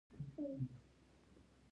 دوه خوا په خوا سرايونه يې لرل.